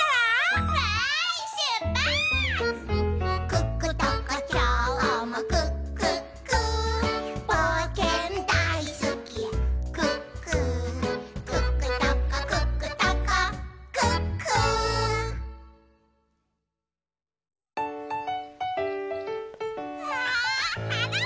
「クックトコきょうもクックックー」「ぼうけんだいすきクックー」「クックトコクックトコクックー」わはらっぱだ！